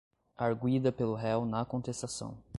arguida pelo réu na contestação.